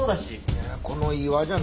いやこの岩じゃない？